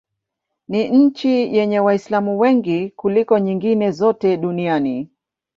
Ni nchi yenye Waislamu wengi kuliko nyingine zote duniani.